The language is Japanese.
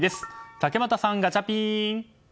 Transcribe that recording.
竹俣さん、ガチャピン。